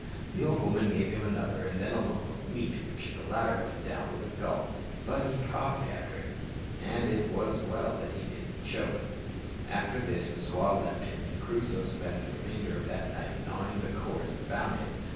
The old woman gave him another, and then a lump of meat, which latter went down with a gulp; but he coughed after it! and it was well he didn't choke. After this the squaw left him, and Crusoe spent the remainder of that night gnawing the cords that bound him.